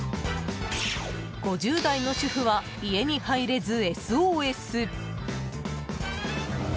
５０代の主婦は家に入れず、ＳＯＳ！